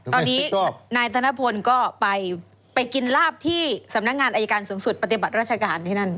ตอนนี้นายธนพลก็ไปกินลาบที่สำนักงานอายการสูงสุดปฏิบัติราชการที่นั่น